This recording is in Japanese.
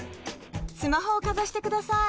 スマホをかざしてください。